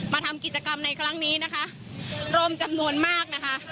มาทำกิจกรรมในครั้งนี้นะคะรวมจำนวนมากนะคะ